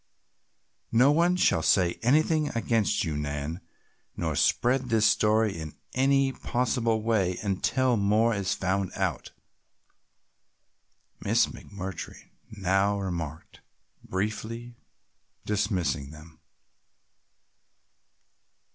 "No one shall say anything against you, Nan, nor spread this story in any possible way until more is found out," Miss McMurtry now remarked, briefly dismissing them.